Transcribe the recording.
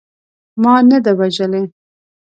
ما نه ده وژلې.